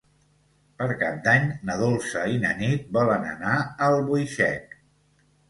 Per Cap d'Any na Dolça i na Nit volen anar a Albuixec.